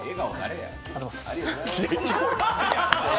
ありがとうございます。